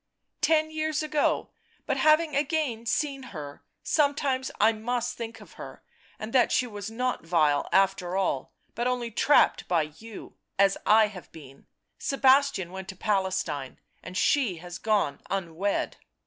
Ten years ago — but having again seen her, sometimes I must think of her, and that she was not vile after all, but only trapped by you, as I have been .., Sebastian went to Palestine, and she has gone unwed."